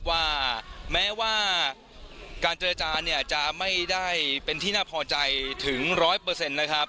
ว่าแม้ว่าการเจรจาจะไม่ได้เป็นที่น่าพอใจถึงร้อยเปอร์เซ็นต์นะครับ